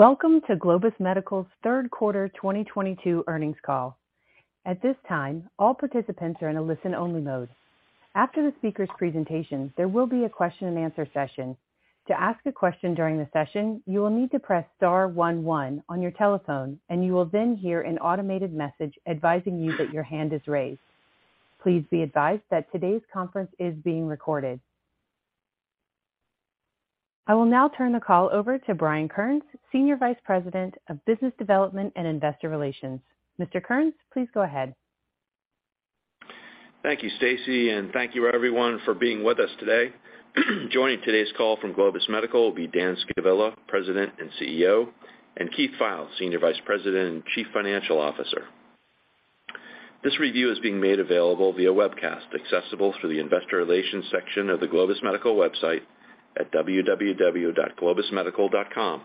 Welcome to Globus Medical's third quarter 2022 earnings call. At this time, all participants are in a listen-only mode. After the speaker's presentation, there will be a question and answer session. To ask a question during the session, you will need to press star one one on your telephone, and you will then hear an automated message advising you that your hand is raised. Please be advised that today's conference is being recorded. I will now turn the call over to Brian Kearns, Senior Vice President of Business Development and Investor Relations. Mr. Kearns, please go ahead. Thank you, Stacy, thank you everyone for being with us today. Joining today's call from Globus Medical will be Dan Scavilla, President and CEO, and Keith Pfeil, Senior Vice President and Chief Financial Officer. This review is being made available via webcast, accessible through the investor relations section of the Globus Medical website at www.globusmedical.com.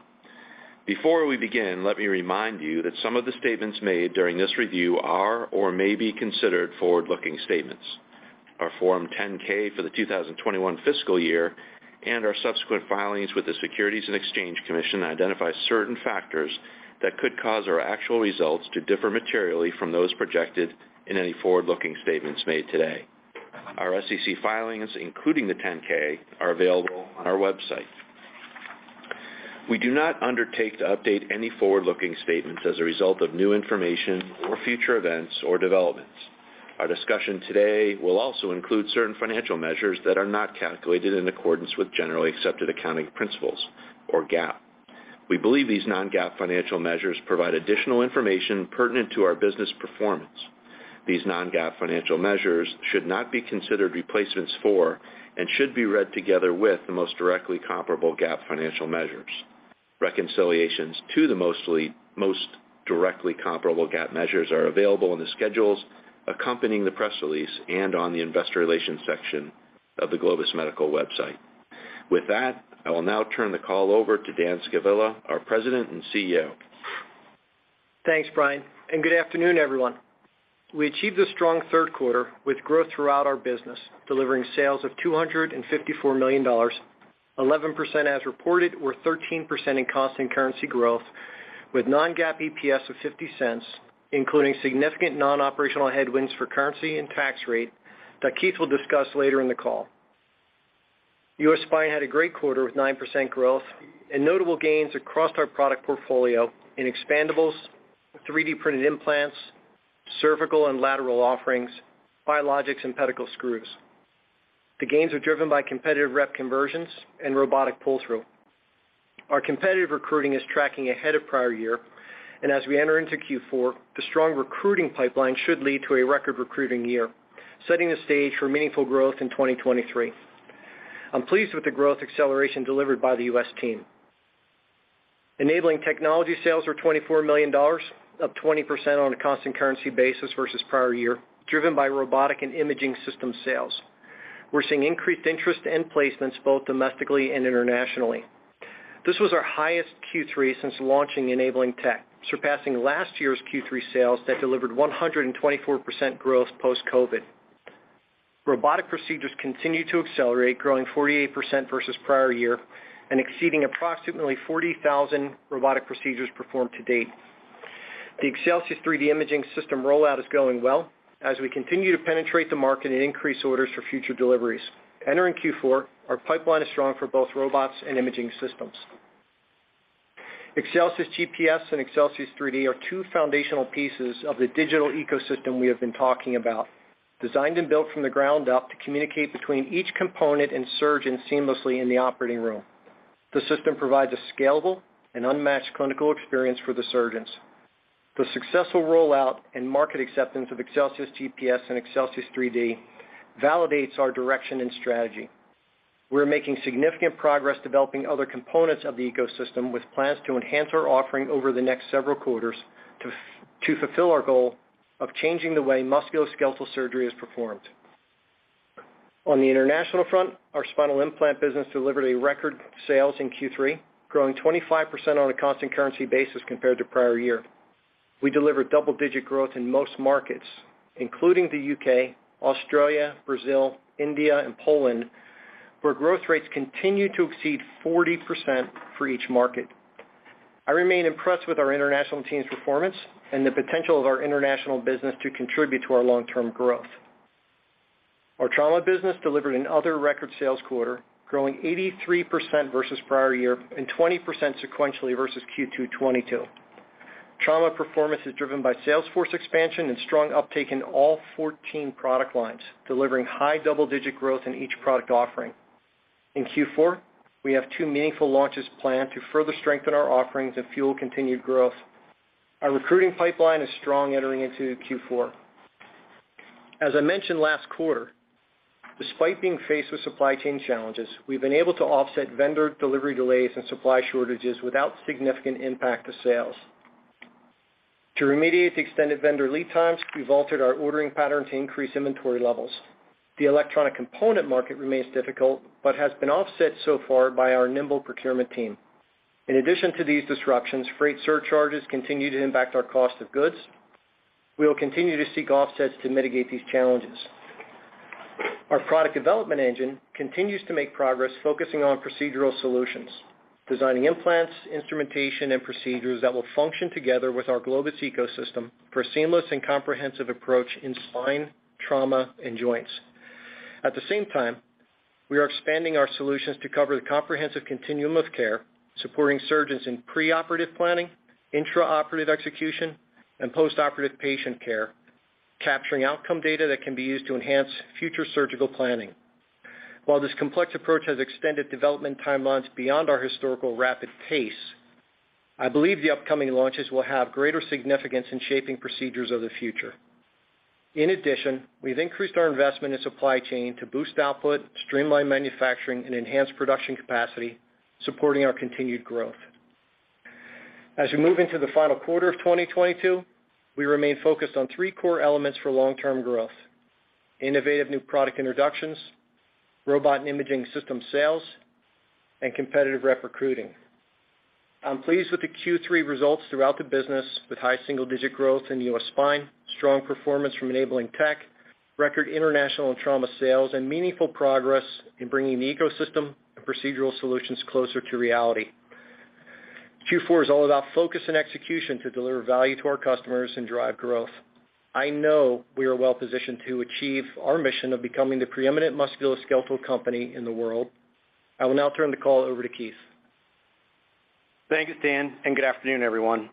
Before we begin, let me remind you that some of the statements made during this review are or may be considered forward-looking statements. Our Form 10-K for the 2021 fiscal year and our subsequent filings with the Securities and Exchange Commission identify certain factors that could cause our actual results to differ materially from those projected in any forward-looking statements made today. Our SEC filings, including the 10-K, are available on our website. We do not undertake to update any forward-looking statements as a result of new information or future events or developments. Our discussion today will also include certain financial measures that are not calculated in accordance with generally accepted accounting principles, or GAAP. We believe these non-GAAP financial measures provide additional information pertinent to our business performance. These non-GAAP financial measures should not be considered replacements for and should be read together with the most directly comparable GAAP financial measures. Reconciliations to the most directly comparable GAAP measures are available in the schedules accompanying the press release and on the investor relations section of the Globus Medical website. With that, I will now turn the call over to Dan Scavilla, our President and CEO. Thanks, Brian, good afternoon, everyone. We achieved a strong third quarter with growth throughout our business, delivering sales of $254 million, 11% as reported or 13% in constant currency growth with non-GAAP EPS of $0.50, including significant non-operational headwinds for currency and tax rate that Keith will discuss later in the call. U.S. Spine had a great quarter with 9% growth and notable gains across our product portfolio in expandables, 3D printed implants, cervical and lateral offerings, biologics, and pedicle screws. The gains are driven by competitive rep conversions and robotic pull-through. Our competitive recruiting is tracking ahead of prior year, as we enter into Q4, the strong recruiting pipeline should lead to a record recruiting year, setting the stage for meaningful growth in 2023. I'm pleased with the growth acceleration delivered by the U.S. team. Enabling Technologies sales are $24 million, up 20% on a constant currency basis versus prior year, driven by robotic and imaging system sales. We're seeing increased interest and placements both domestically and internationally. This was our highest Q3 since launching Enabling Tech, surpassing last year's Q3 sales that delivered 124% growth post-COVID. Robotic procedures continue to accelerate, growing 48% versus the prior year and exceeding approximately 40,000 robotic procedures performed to date. The Excelsius3D imaging system rollout is going well as we continue to penetrate the market and increase orders for future deliveries. Entering Q4, our pipeline is strong for both robots and imaging systems. ExcelsiusGPS and Excelsius3D are two foundational pieces of the digital ecosystem we have been talking about. Designed and built from the ground up to communicate between each component and surgeon seamlessly in the operating room. The system provides a scalable and unmatched clinical experience for the surgeons. The successful rollout and market acceptance of ExcelsiusGPS and Excelsius3D validates our direction and strategy. We're making significant progress developing other components of the ecosystem with plans to enhance our offering over the next several quarters to fulfill our goal of changing the way musculoskeletal surgery is performed. On the international front, our spinal implant business delivered a record sale in Q3, growing 25% on a constant currency basis compared to the prior year. We delivered double-digit growth in most markets, including the U.K., Australia, Brazil, India, and Poland, where growth rates continue to exceed 40% for each market. I remain impressed with our international team's performance and the potential of our international business to contribute to our long-term growth. Our trauma business delivered another record sales quarter, growing 83% versus the prior year and 20% sequentially versus Q2 2022. Trauma performance is driven by sales force expansion and strong uptake in all 14 product lines, delivering high double-digit growth in each product offering. In Q4, we have two meaningful launches planned to further strengthen our offerings and fuel continued growth. Our recruiting pipeline is strong entering into Q4. As I mentioned last quarter, despite being faced with supply chain challenges, we've been able to offset vendor delivery delays and supply shortages without significant impact to sales. To remediate the extended vendor lead times, we've altered our ordering pattern to increase inventory levels. The electronic component market remains difficult but has been offset so far by our nimble procurement team. In addition to these disruptions, freight surcharges continue to impact our cost of goods. We will continue to seek offsets to mitigate these challenges. Our product development engine continues to make progress focusing on procedural solutions, designing implants, instrumentation, and procedures that will function together with our Globus ecosystem for a seamless and comprehensive approach in spine, trauma, and joints. At the same time, we are expanding our solutions to cover the comprehensive continuum of care, supporting surgeons in preoperative planning, intraoperative execution, and postoperative patient care, capturing outcome data that can be used to enhance future surgical planning. While this complex approach has extended development timelines beyond our historical rapid pace, I believe the upcoming launches will have greater significance in shaping procedures of the future. In addition, we've increased our investment in supply chain to boost output, streamline manufacturing, and enhance production capacity, supporting our continued growth. As we move into the final quarter of 2022, we remain focused on three core elements for long-term growth: innovative new product introductions, robot and imaging system sales, and competitive rep recruiting. I'm pleased with the Q3 results throughout the business, with high single-digit growth in U.S. spine, strong performance from Enabling Tech, record international and trauma sales, and meaningful progress in bringing the ecosystem and procedural solutions closer to reality. Q4 is all about focus and execution to deliver value to our customers and drive growth. I know we are well-positioned to achieve our mission of becoming the preeminent musculoskeletal company in the world. I will now turn the call over to Keith. Thank you, Dan, and good afternoon, everyone.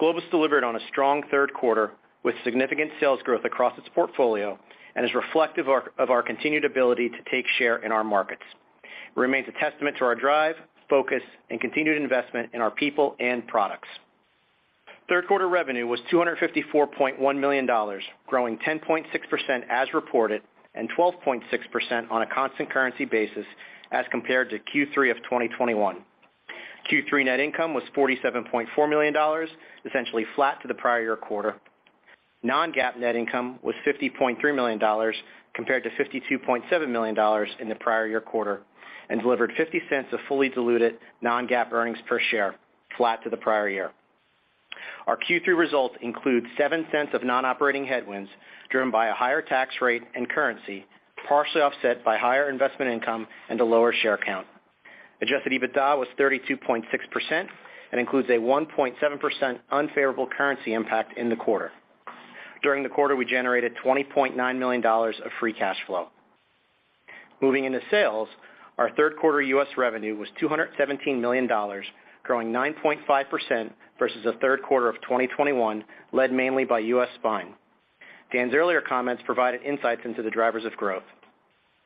Globus delivered on a strong third quarter with significant sales growth across its portfolio and is reflective of our continued ability to take share in our markets. It remains a testament to our drive, focus, and continued investment in our people and products. Third-quarter revenue was $254.1 million, growing 10.6% as reported and 12.6% on a constant currency basis as compared to Q3 of 2021. Q3 net income was $47.4 million, essentially flat to the prior year quarter. non-GAAP net income was $50.3 million compared to $52.7 million in the prior year quarter and delivered $0.50 of fully diluted non-GAAP earnings per share, flat to the prior year. Our Q3 results include $0.07 of non-operating headwinds driven by a higher tax rate and currency, partially offset by higher investment income and a lower share count. Adjusted EBITDA was 32.6% and includes a 1.7% unfavorable currency impact in the quarter. During the quarter, we generated $20.9 million of free cash flow. Moving into sales, our third quarter U.S. revenue was $217 million, growing 9.5% versus the third quarter of 2021, led mainly by U.S. spine. Dan's earlier comments provided insights into the drivers of growth.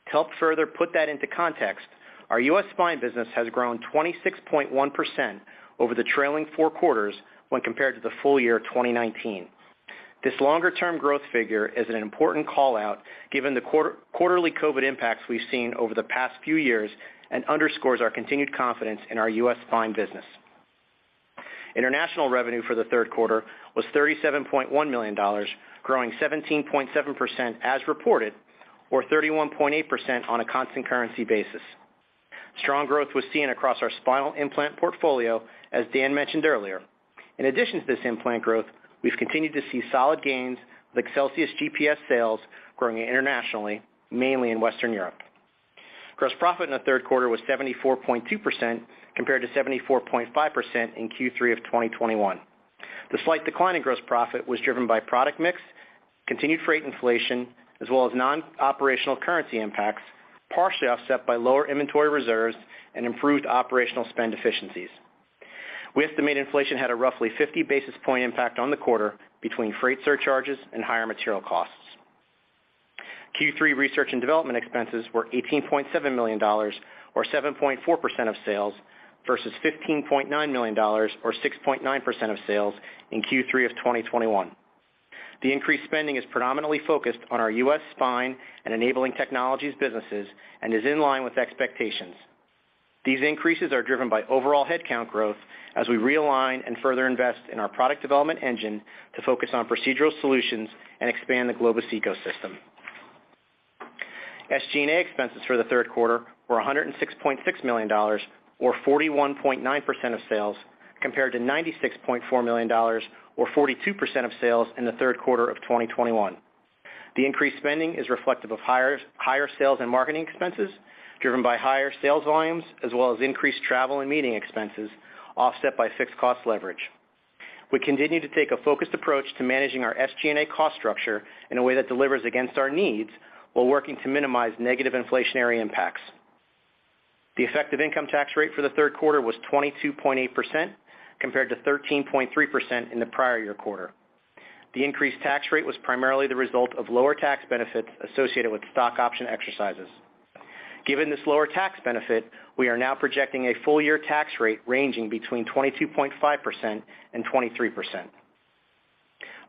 To help further put that into context, our U.S. spine business has grown 26.1% over the trailing four quarters when compared to the full year 2019. This longer-term growth figure is an important call-out given the quarterly COVID impacts we've seen over the past few years and underscores our continued confidence in our U.S. spine business. International revenue for the third quarter was $37.1 million, growing 17.7% as reported, or 31.8% on a constant currency basis. Strong growth was seen across our spinal implant portfolio, as Dan mentioned earlier. In addition to this implant growth, we've continued to see solid gains with ExcelsiusGPS sales growing internationally, mainly in Western Europe. Gross profit in the third quarter was 74.2%, compared to 74.5% in Q3 of 2021. The slight decline in gross profit was driven by product mix, continued freight inflation, as well as non-operational currency impacts, partially offset by lower inventory reserves and improved operational spend efficiencies. We estimate inflation had a roughly 50 basis points impact on the quarter between freight surcharges and higher material costs. Q3 R&D expenses were $18.7 million or 7.4% of sales versus $15.9 million or 6.9% of sales in Q3 of 2021. The increased spending is predominantly focused on our U.S. spine and Enabling Technologies businesses and is in line with expectations. These increases are driven by overall headcount growth as we realign and further invest in our product development engine to focus on procedural solutions and expand the Globus ecosystem. SG&A expenses for the third quarter were $106.6 million or 41.9% of sales, compared to $96.4 million or 42% of sales in the third quarter of 2021. The increased spending is reflective of higher sales and marketing expenses driven by higher sales volumes as well as increased travel and meeting expenses, offset by fixed cost leverage. We continue to take a focused approach to managing our SG&A cost structure in a way that delivers against our needs while working to minimize negative inflationary impacts. The effective income tax rate for the third quarter was 22.8%, compared to 13.3% in the prior year quarter. The increased tax rate was primarily the result of lower tax benefits associated with stock option exercises. Given this lower tax benefit, we are now projecting a full-year tax rate ranging between 22.5% and 23%.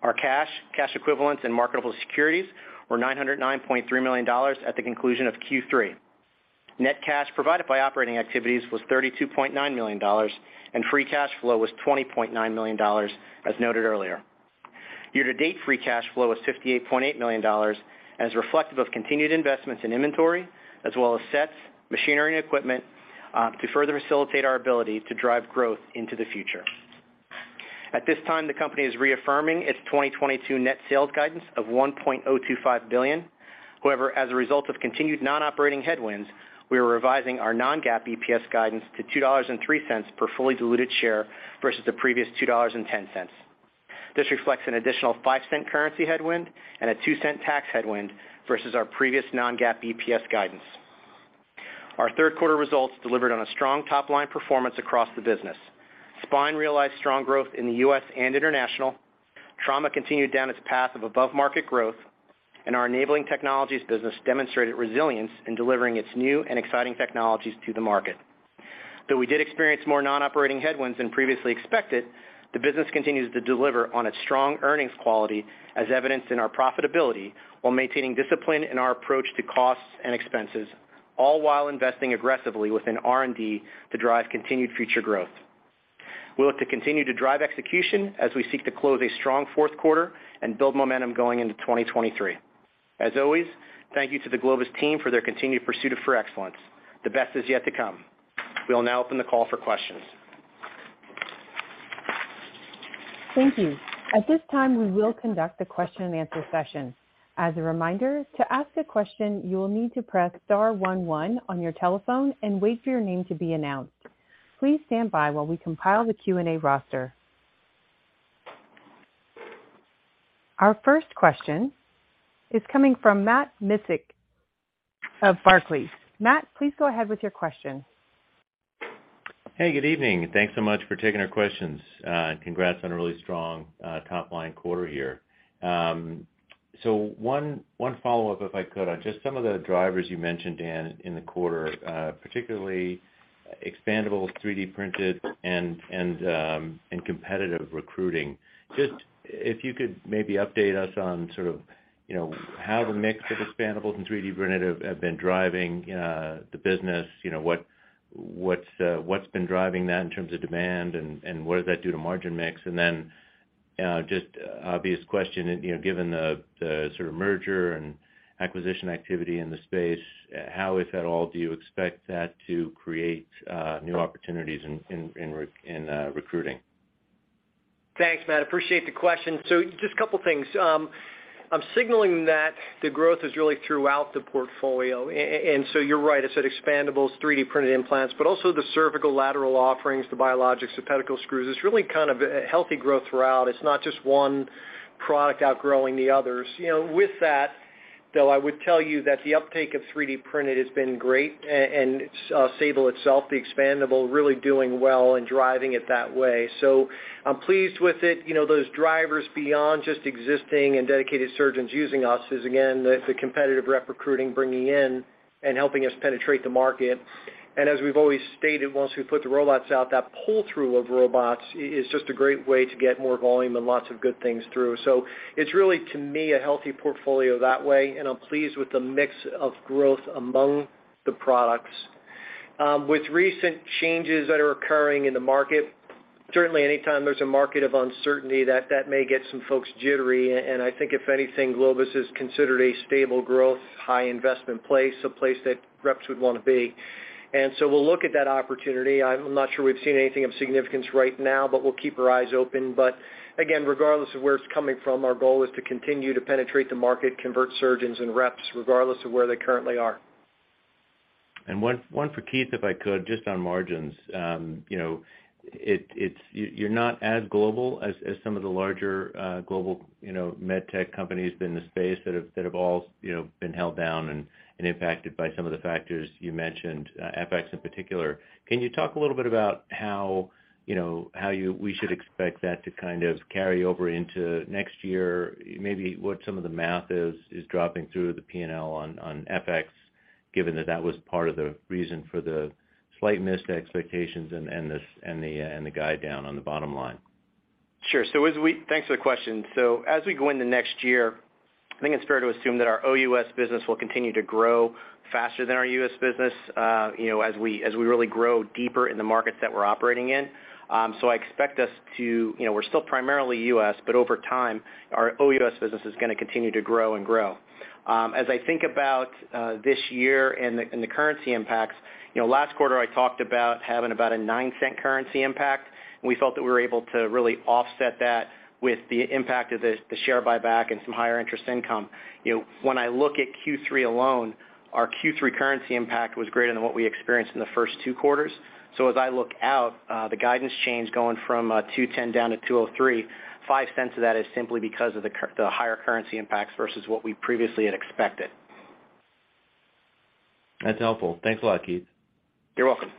Our cash equivalents, and marketable securities were $909.3 million at the conclusion of Q3. Net cash provided by operating activities was $32.9 million, and free cash flow was $20.9 million, as noted earlier. Year-to-date free cash flow is $58.8 million and is reflective of continued investments in inventory as well as sets, machinery, and equipment to further facilitate our ability to drive growth into the future. At this time, the company is reaffirming its 2022 net sales guidance of $1.025 billion. However, as a result of continued non-operating headwinds, we are revising our non-GAAP EPS guidance to $2.03 per fully diluted share versus the previous $2.10. This reflects an additional $0.05 currency headwind and a $0.02 tax headwind versus our previous non-GAAP EPS guidance. Our third quarter results delivered on a strong top-line performance across the business. Spine realized strong growth in the U.S. and international. Trauma continued down its path of above-market growth. Our Enabling Technologies business demonstrated resilience in delivering its new and exciting technologies to the market. Though we did experience more non-operating headwinds than previously expected, the business continues to deliver on its strong earnings quality, as evidenced in our profitability, while maintaining discipline in our approach to costs and expenses, all while investing aggressively within R&D to drive continued future growth. We look to continue to drive execution as we seek to close a strong fourth quarter and build momentum going into 2023. As always, thank you to the Globus team for their continued pursuit for excellence. The best is yet to come. We'll now open the call for questions. Thank you. At this time, we will conduct a question and answer session. As a reminder, to ask a question, you will need to press star 11 on your telephone and wait for your name to be announced. Please stand by while we compile the Q&A roster. Our first question is coming from Matt Miksic of Barclays. Matt, please go ahead with your question. Hey, good evening, and thanks so much for taking our questions. Congrats on a really strong top-line quarter here. One follow-up, if I could, on just some of the drivers you mentioned, Dan, in the quarter, particularly expandables, 3D printed, and competitive recruiting. Just if you could maybe update us on how the mix of expandables and 3D printed have been driving the business, what's been driving that in terms of demand, and what does that do to margin mix? Just obvious question, given the merger and acquisition activity in the space, how, if at all, do you expect that to create new opportunities in recruiting? Thanks, Matt. Appreciate the question. Just a couple things. I'm signaling that the growth is really throughout the portfolio. You're right, I said expandables, 3D printed implants, but also the cervical lateral offerings, the biologics, the pedicle screws. It's really kind of a healthy growth throughout. It's not just one product outgrowing the others. With that, though, I would tell you that the uptake of 3D printed has been great, and SABLE itself, the expandable, really doing well and driving it that way. I'm pleased with it. Those drivers beyond just existing and dedicated surgeons using us is, again, the competitive rep recruiting bringing in and helping us penetrate the market. As we've always stated, once we put the robots out, that pull-through of robots is just a great way to get more volume and lots of good things through. It's really, to me, a healthy portfolio that way, and I'm pleased with the mix of growth among the products. With recent changes that are occurring in the market, certainly anytime there's a market of uncertainty, that may get some folks jittery, and I think if anything, Globus is considered a stable growth, high investment place, a place that reps would want to be. We'll look at that opportunity. I'm not sure we've seen anything of significance right now, but we'll keep our eyes open. Again, regardless of where it's coming from, our goal is to continue to penetrate the market, convert surgeons and reps, regardless of where they currently are. One for Keith, if I could, just on margins. You're not as global as some of the larger global med tech companies been in the space that have all been held down and impacted by some of the factors you mentioned, FX in particular. Can you talk a little bit about how we should expect that to kind of carry over into next year? Maybe what some of the math is dropping through the P&L on FX, given that that was part of the reason for the slight missed expectations and the guide down on the bottom line. Sure. Thanks for the question. As we go into next year, I think it's fair to assume that our OUS business will continue to grow faster than our U.S. business as we really grow deeper in the markets that we're operating in. I expect us to-- we're still primarily U.S., but over time, our OUS business is going to continue to grow and grow. As I think about this year and the currency impacts, last quarter I talked about having about a $0.09 currency impact, and we felt that we were able to really offset that with the impact of the share buyback and some higher interest income. When I look at Q3 alone, our Q3 currency impact was greater than what we experienced in the first two quarters. As I look out, the guidance change going from $2.10 down to $2.03, $0.05 of that is simply because of the higher currency impacts versus what we previously had expected. That's helpful. Thanks a lot, Keith. You're welcome.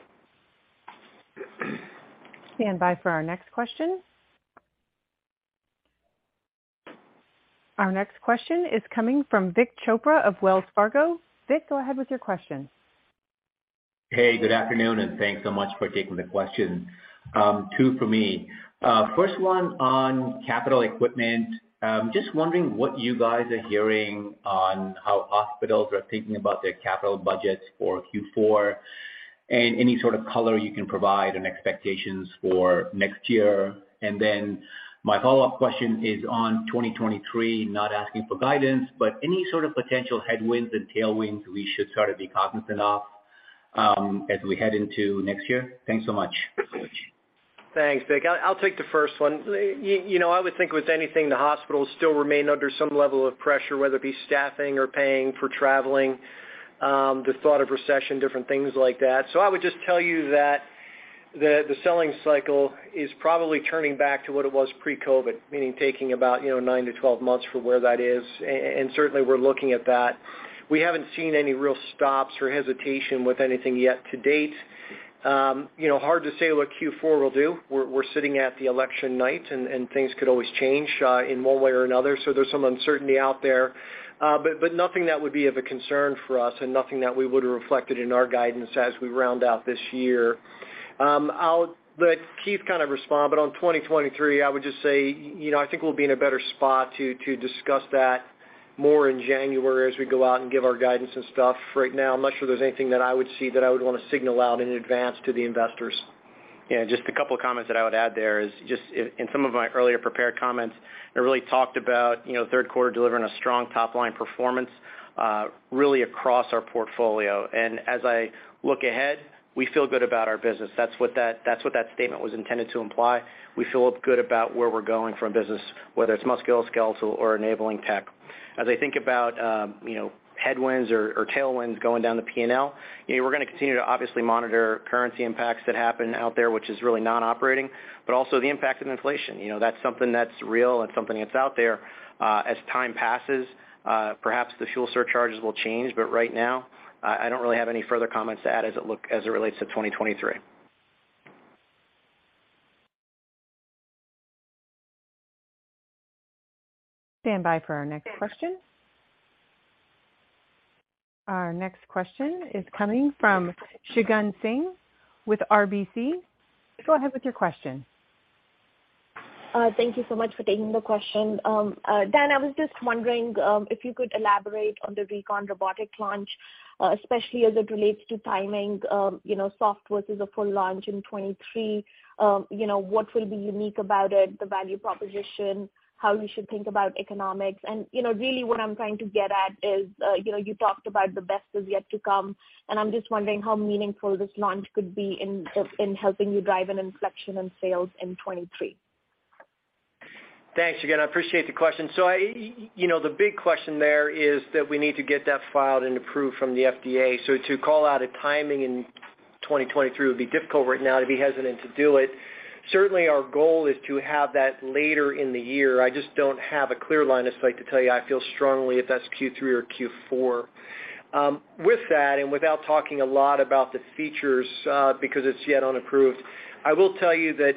Stand by for our next question. Our next question is coming from Vik Chopra of Wells Fargo. Vik, go ahead with your question. Hey, good afternoon, and thanks so much for taking the question. Two for me. First one on capital equipment. Just wondering what you guys are hearing on how hospitals are thinking about their capital budgets for Q4, and any sort of color you can provide on expectations for next year. My follow-up question is on 2023. Not asking for guidance, any sort of potential headwinds and tailwinds we should sort of be cognizant of? As we head into next year. Thanks so much. Thanks, Vik. I'll take the first one. I would think with anything, the hospitals still remain under some level of pressure, whether it be staffing or paying for traveling, the thought of recession, different things like that. I would just tell you that the selling cycle is probably turning back to what it was pre-COVID, meaning taking about nine to 12 months for where that is. Certainly, we're looking at that. We haven't seen any real stops or hesitation with anything yet to date. Hard to say what Q4 will do. We're sitting at the election night, and things could always change in one way or another. There's some uncertainty out there. Nothing that would be of a concern for us and nothing that we would've reflected in our guidance as we round out this year. I'll let Keith kind of respond, but on 2023, I would just say, I think we'll be in a better spot to discuss that more in January as we go out and give our guidance and stuff. Right now, I'm not sure there's anything that I would see that I would want to signal out in advance to the investors. Yeah, just a couple of comments that I would add there is just in some of my earlier prepared comments, I really talked about third quarter delivering a strong top-line performance really across our portfolio. As I look ahead, we feel good about our business. That's what that statement was intended to imply. We feel good about where we're going from business, whether it's musculoskeletal or Enabling tech. As I think about headwinds or tailwinds going down the P&L, we're going to continue to obviously monitor currency impacts that happen out there, which is really non-operating, but also the impact of inflation. That's something that's real and something that's out there. As time passes, perhaps the fuel surcharges will change, but right now, I don't really have any further comments to add as it relates to 2023. Standby for our next question. Our next question is coming from Shagun Singh with RBC. Go ahead with your question. Thank you so much for taking the question. Dan, I was just wondering if you could elaborate on the recon robotic launch, especially as it relates to timing soft versus a full launch in 2023. What will be unique about it, the value proposition, how you should think about economics? Really what I'm trying to get at is, you talked about the best is yet to come, and I'm just wondering how meaningful this launch could be in helping you drive an inflection in sales in 2023. Thanks, Shagun. I appreciate the question. The big question there is that we need to get that filed and approved from the FDA. To call out a timing in 2023 would be difficult right now. I'd be hesitant to do it. Certainly, our goal is to have that later in the year. I just don't have a clear line of sight to tell you I feel strongly if that's Q3 or Q4. With that, and without talking a lot about the features, because it's yet unapproved, I will tell you that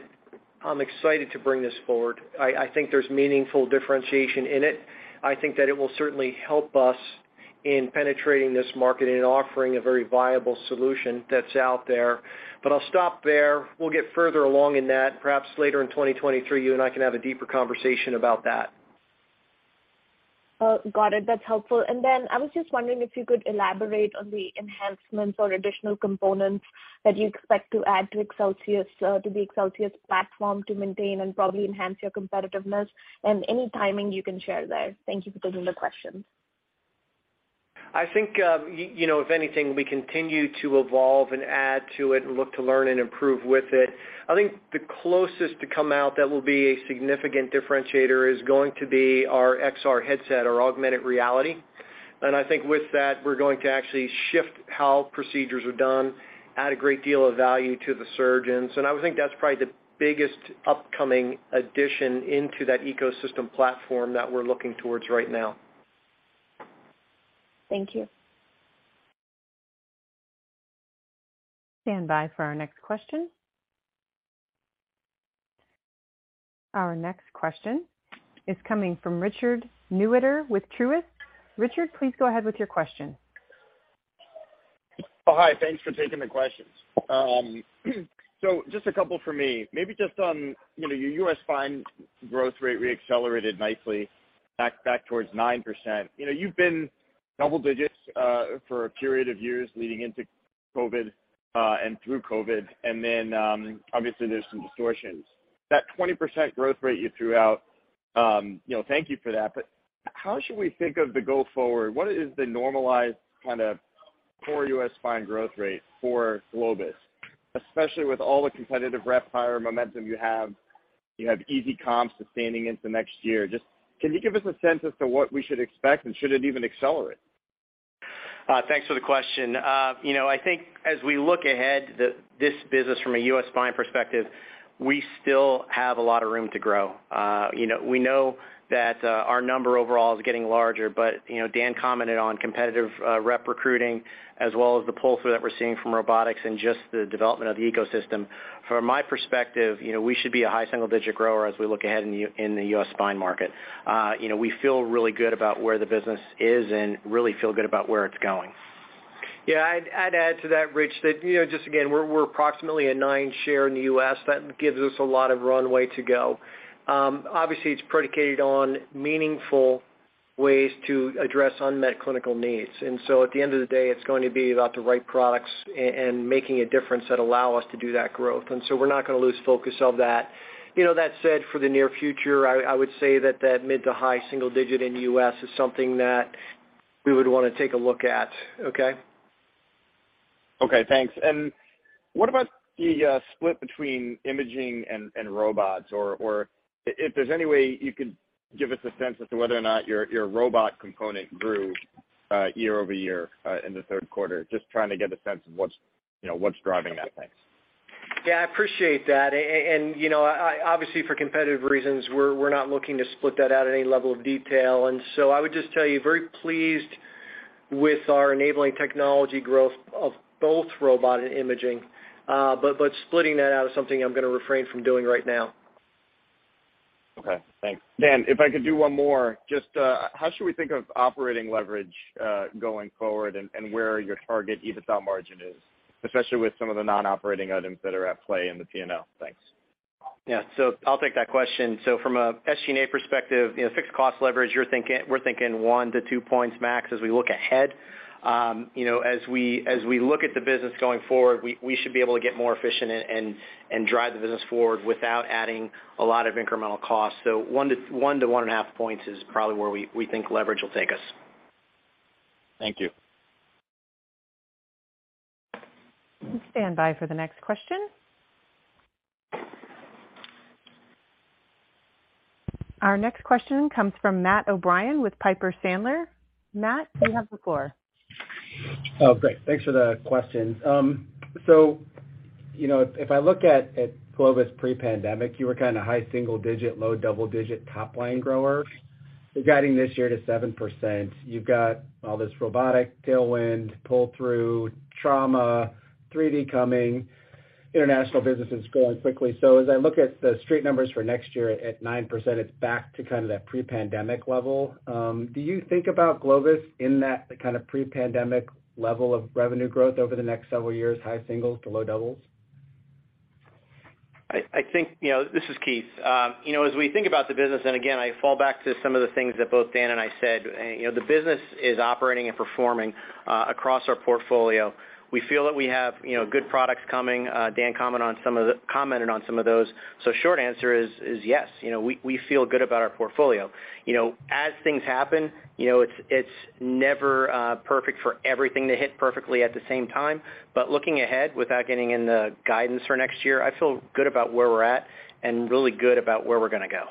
I'm excited to bring this forward. I think there's meaningful differentiation in it. I think that it will certainly help us in penetrating this market and offering a very viable solution that's out there. I'll stop there. We'll get further along in that perhaps later in 2023. You and I can have a deeper conversation about that. Got it. That's helpful. I was just wondering if you could elaborate on the enhancements or additional components that you expect to add to the Excelsius platform to maintain and probably enhance your competitiveness, and any timing you can share there. Thank you for taking the question. I think, if anything, we continue to evolve and add to it and look to learn and improve with it. I think the closest to come out that will be a significant differentiator is going to be our XR headset, our augmented reality. I think with that, we're going to actually shift how procedures are done, add a great deal of value to the surgeons, and I would think that's probably the biggest upcoming addition into that ecosystem platform that we're looking towards right now. Thank you. Standby for our next question. Our next question is coming from Rich Newitter with Truist. Rich, please go ahead with your question. Hi. Thanks for taking the questions. Just a couple from me. Maybe just on your U.S. spine growth rate re-accelerated nicely back towards 9%. You've been double digits for a period of years leading into COVID and through COVID, and obviously there's some distortions. That 20% growth rate you threw out, thank you for that, how should we think of the go forward? What is the normalized kind of core U.S. spine growth rate for Globus? Especially with all the competitive rep hire momentum you have. You have easy comps sustaining into next year. Just can you give us a sense as to what we should expect, and should it even accelerate? Thanks for the question. I think as we look ahead, this business from a U.S. spine perspective, we still have a lot of room to grow. We know that our number overall is getting larger, Dan commented on competitive rep recruiting as well as the pull-through that we're seeing from robotics and just the development of the ecosystem. From my perspective, we should be a high single-digit grower as we look ahead in the U.S. spine market. We feel really good about where the business is and really feel good about where it's going. Yeah, I'd add to that, Rich, that just again, we're approximately a nine share in the U.S. That gives us a lot of runway to go. Obviously, it is predicated on meaningful ways to address unmet clinical needs. At the end of the day, it is going to be about the right products and making a difference that allow us to do that growth. We're not going to lose focus of that. That said, for the near future, I would say that mid-to-high single-digit in the U.S. is something that we would want to take a look at. Okay. Okay, thanks. What about the split between imaging and robots? Or if there's any way you could give us a sense as to whether or not your robot component grew year-over-year in the third quarter, just trying to get a sense of what's driving that. Thanks. Yeah, I appreciate that. Obviously for competitive reasons, we're not looking to split that out at any level of detail. I would just tell you, very pleased with our Enabling Technologies growth of both robot and imaging. But splitting that out is something I'm going to refrain from doing right now. Okay, thanks. Dan, if I could do one more, just how should we think of operating leverage going forward and where your target EBITDA margin is, especially with some of the non-operating items that are at play in the P&L? Thanks. I'll take that question. From a SG&A perspective, fixed cost leverage, we're thinking one to two points max as we look ahead. As we look at the business going forward, we should be able to get more efficient and drive the business forward without adding a lot of incremental cost. One to one and a half points is probably where we think leverage will take us. Thank you. Standby for the next question. Our next question comes from Matt O'Brien with Piper Sandler. Matt, you have the floor. Oh, great. Thanks for the questions. If I look at Globus pre-pandemic, you were kind of high single digit, low double digit top line grower. You're guiding this year to 7%. You've got all this robotic tailwind pull-through trauma, 3D coming, international business is growing quickly. As I look at the straight numbers for next year at 9%, it's back to kind of that pre-pandemic level. Do you think about Globus in that kind of pre-pandemic level of revenue growth over the next several years, high singles to low doubles? This is Keith. As we think about the business, and again, I fall back to some of the things that both Dan and I said. The business is operating and performing across our portfolio. We feel that we have good products coming. Dan commented on some of those. Short answer is yes, we feel good about our portfolio. As things happen, it's never perfect for everything to hit perfectly at the same time. But looking ahead, without getting into guidance for next year, I feel good about where we're at and really good about where we're going to go.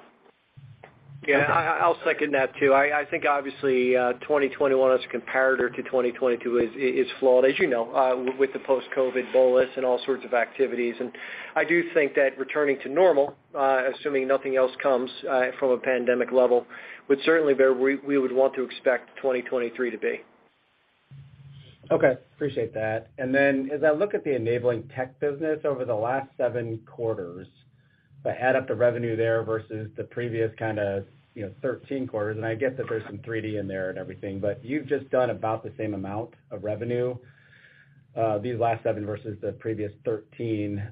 Yeah, I'll second that, too. I think obviously, 2021 as a comparator to 2022 is flawed, as you know, with the post-COVID bolus and all sorts of activities. And I do think that returning to normal, assuming nothing else comes from a pandemic level, would certainly be where we would want to expect 2023 to be. Okay. Appreciate that. Then as I look at the Enabling Technologies business over the last seven quarters, if I add up the revenue there versus the previous 13 quarters, and I get that there's some 3D in there and everything, but you've just done about the same amount of revenue these last seven versus the previous 13.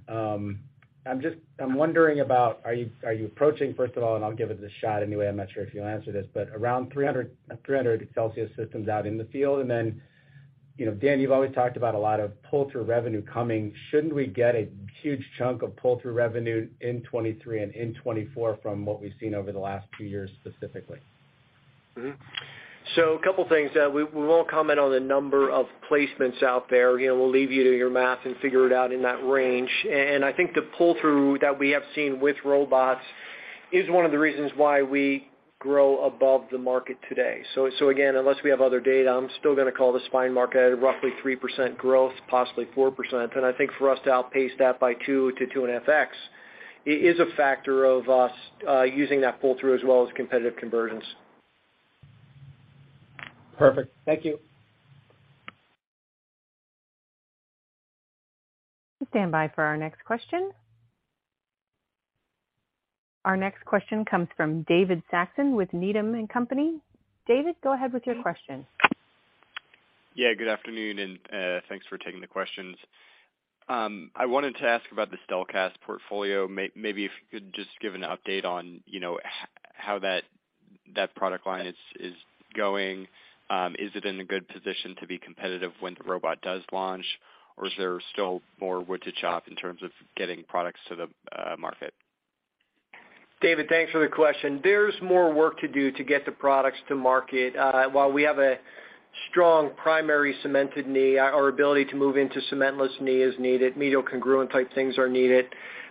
I'm wondering about are you approaching, first of all, and I'll give it a shot anyway, I'm not sure if you'll answer this, but around 300 Excelsius systems out in the field. And then, Dan, you've always talked about a lot of pull-through revenue coming. Shouldn't we get a huge chunk of pull-through revenue in 2023 and in 2024 from what we've seen over the last few years specifically? A couple of things. We won't comment on the number of placements out there. We'll leave you to your math and figure it out in that range. And I think the pull-through that we have seen with robots is one of the reasons why we grow above the market today. Again, unless we have other data, I'm still going to call the spine market at roughly 3% growth, possibly 4%. And I think for us to outpace that by 2 to 2.5x, it is a factor of us using that pull-through as well as competitive convergence. Perfect. Thank you. Standby for our next question. Our next question comes from David Saxon with Needham & Company. David, go ahead with your question. Yeah, good afternoon, and thanks for taking the questions. I wanted to ask about the StelKast portfolio. Maybe if you could just give an update on how that product line is going. Is it in a good position to be competitive when the robot does launch, or is there still more wood to chop in terms of getting products to the market? David, thanks for the question. There's more work to do to get the products to market. While we have a strong primary cemented knee, our ability to move into cementless knee is needed. Medial congruent type things are needed.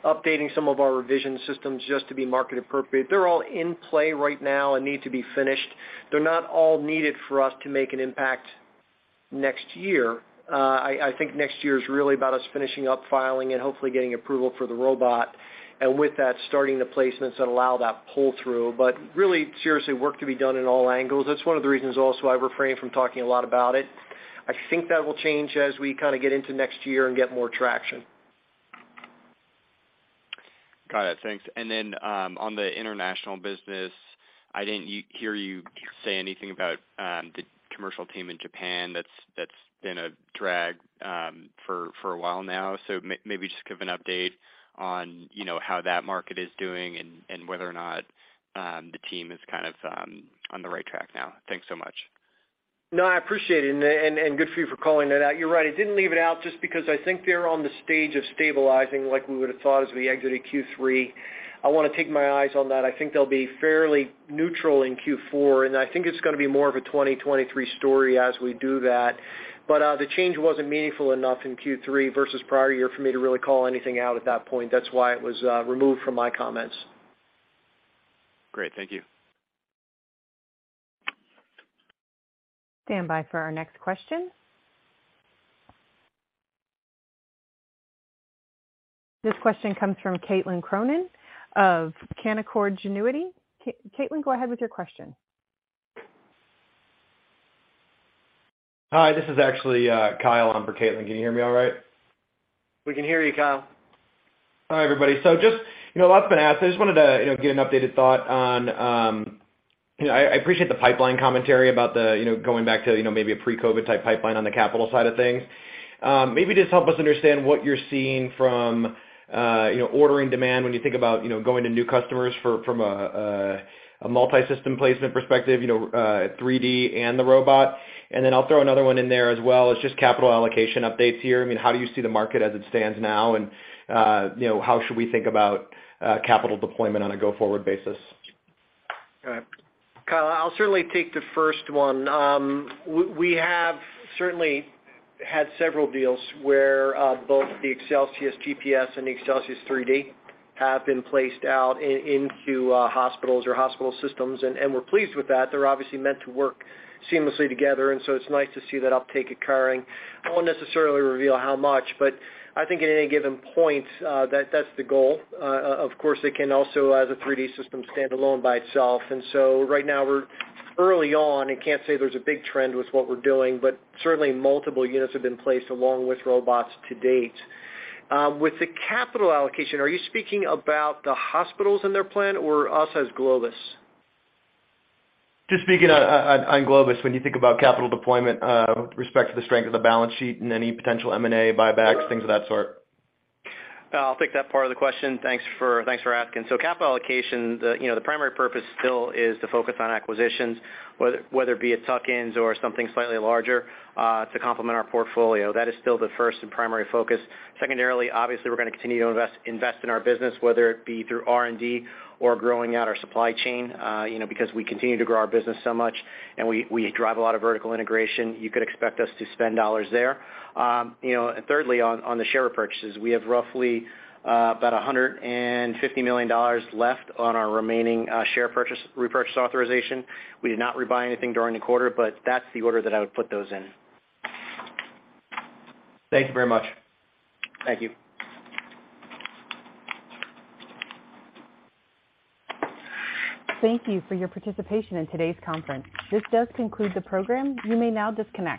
Updating some of our revision systems just to be market appropriate. They're all in play right now and need to be finished. They're not all needed for us to make an impact next year. I think next year is really about us finishing up filing and hopefully getting approval for the robot, and with that, starting the placements that allow that pull through. Really, seriously, work to be done in all angles. That's one of the reasons also I refrain from talking a lot about it. I think that will change as I kind of get into next year and get more traction. Got it. Thanks. On the international business, I didn't hear you say anything about the commercial team in Japan that's been a drag for a while now. Maybe just give an update on how that market is doing and whether or not the team is kind of on the right track now. Thanks so much. No, I appreciate it, and good for you for calling that out. You're right. I didn't leave it out just because I think they're on the stage of stabilizing like we would've thought as we exited Q3. I want to take my eyes on that. I think they'll be fairly neutral in Q4, and I think it's going to be more of a 2023 story as we do that. The change wasn't meaningful enough in Q3 versus prior year for me to really call anything out at that point. That's why it was removed from my comments. Great. Thank you. Stand by for our next question. This question comes from Caitlin Cronin of Canaccord Genuity. Caitlin, go ahead with your question. Hi, this is actually Kyle on for Caitlin. Can you hear me all right? We can hear you, Kyle. Hi, everybody. Just, a lot's been asked. I just wanted to get an updated thought on I appreciate the pipeline commentary about the going back to maybe a pre-COVID-type pipeline on the capital side of things. Maybe just help us understand what you're seeing from ordering demand when you think about going to new customers from a multi-system placement perspective, 3D and the robot. Then I'll throw another one in there as well, is just capital allocation updates here. How do you see the market as it stands now, and how should we think about capital deployment on a go-forward basis? Okay. Kyle, I'll certainly take the first one. We have certainly had several deals where both the ExcelsiusGPS and the Excelsius3D have been placed out into hospitals or hospital systems, and we're pleased with that. They're obviously meant to work seamlessly together, and so it's nice to see that uptake occurring. I won't necessarily reveal how much, but I think at any given point, that's the goal. Of course, it can also, as a 3D system, stand alone by itself. So right now we're early on and can't say there's a big trend with what we're doing, but certainly multiple units have been placed along with robots to date. With the capital allocation, are you speaking about the hospitals and their plan or us as Globus? Just speaking on Globus, when you think about capital deployment with respect to the strength of the balance sheet and any potential M&A buybacks, things of that sort. I'll take that part of the question. Thanks for asking. Capital allocation, the primary purpose still is to focus on acquisitions, whether it be tuck-ins or something slightly larger, to complement our portfolio. That is still the first and primary focus. Secondarily, obviously, we're going to continue to invest in our business, whether it be through R&D or growing out our supply chain. Because we continue to grow our business so much and we drive a lot of vertical integration, you could expect us to spend dollars there. Thirdly, on the share repurchases, we have roughly about $150 million left on our remaining share purchase repurchase authorization. We did not rebuy anything during the quarter, that's the order that I would put those in. Thank you very much. Thank you. Thank you for your participation in today's conference. This does conclude the program. You may now disconnect.